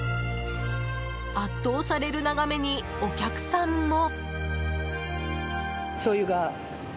圧倒される眺めに、お客さんも。